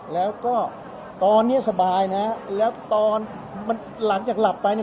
แล้วก็ตอนนี้สบายนะแล้วตอนมันหลังจากหลับไปเนี่ย